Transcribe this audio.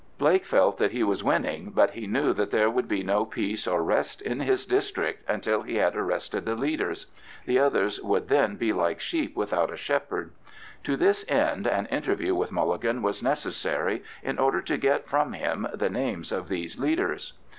Blake felt that he was winning, but he knew that there would be no peace or rest in his district until he had arrested the leaders: the others would then be like sheep without a shepherd. To this end an interview with Mulligan was necessary, in order to get from him the names of these leaders.